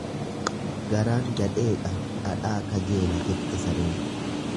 Garaan gadheedha dhadhaa kajeela jette sareen.